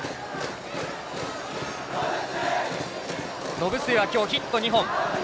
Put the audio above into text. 延末は今日ヒット２本。